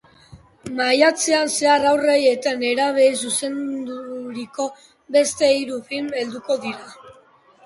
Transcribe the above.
Maiatzan zehar haurrei eta nerabeei zuzenduriko beste hiru film helduko dira.